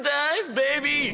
ベイビー」